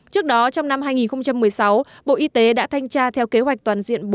trước đó trong năm hai nghìn một mươi sáu bộ y tế đã thanh tra theo kế hoạch toàn diện